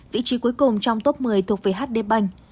vị trí cuối cùng trong top một mươi thuộc về hd bank